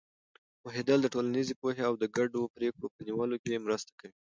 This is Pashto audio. پوهېدل د ټولنیزې پوهې او د ګډو پرېکړو په نیولو کې مرسته کوي.